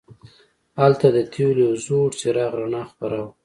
هلته د تیلو د یو زوړ څراغ رڼا خپره وه.